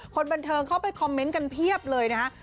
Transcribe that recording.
คนบันเทิงเข้าไปคอมเมนต์กันเพียบเลยนะฮะ